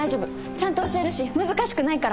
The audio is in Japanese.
ちゃんと教えるし難しくないから。